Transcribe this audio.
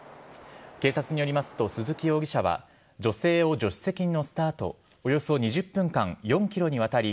警察によりますと鈴木容疑者は女性を助手席に乗せた後およそ２０分間４ｋｍにわたり